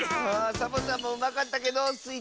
サボさんもうまかったけどスイ